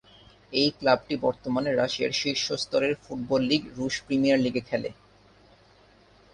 এই ক্লাবটি বর্তমানে রাশিয়ার শীর্ষ স্তরের ফুটবল লীগ রুশ প্রিমিয়ার লীগে খেলে।